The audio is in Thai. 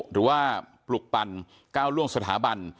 หรือว่าปลุกปั่นก้าวล่วงสถาบัน